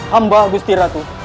pembawa gusti ratu